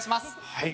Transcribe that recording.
はい。